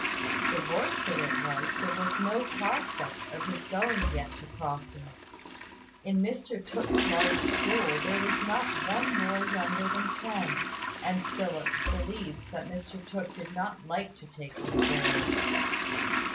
The worst of it was, there was no prospect of his going yet to Crofton. In Mr Tooke's large school there was not one boy younger than ten; and Philip believed that Mr Tooke did not like to take little boys.